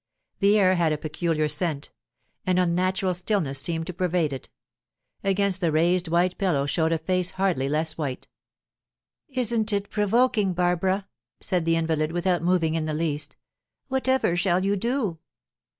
The air had a peculiar scent; an unnatural stillness seemed to pervade it. Against the raised white pillow showed a face hardly less white. "Isn't it provoking, Barbara?" said the invalid, without moving in the least. "Whatever shall you do?"